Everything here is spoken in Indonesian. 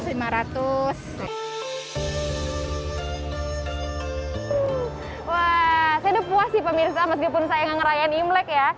wah saya udah puas sih pemirsa meskipun saya gak ngerayain imlek ya